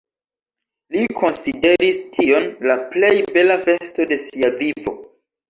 Li konsideris tion la plej bela festo de sia vivo.